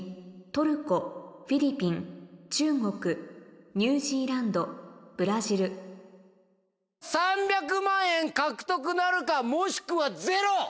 トルコフィリピン中国ニュージーランドブラジル３００万円獲得なるかもしくはゼロ！